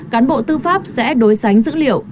cán bộ tư pháp sẽ đối sánh dữ liệu